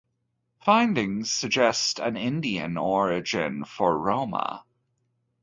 Findings suggest an Indian origin for Roma.